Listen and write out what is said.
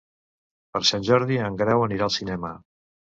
Per Sant Jordi en Grau anirà al cinema.